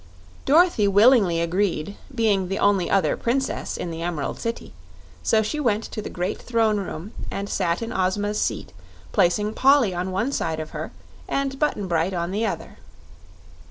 Dorothy willingly agreed, being the only other Princess in the Emerald City; so she went to the great Throne Room and sat in Ozma's seat, placing Polly on one side of her and Button Bright on the other.